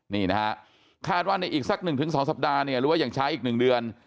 นี่นะฮะคาดว่าในอีกสัก๑๒สัปดาห์เนี่ยหรือว่ายังช้าอีก๑เดือน